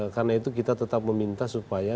karena itu kita tetap meminta supaya